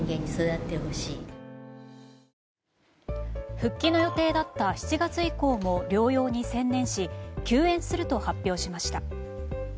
復帰の予定だった７月以降も療養に専念し休演すると発表しました。